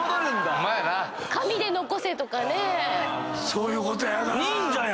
そういうことやなぁ。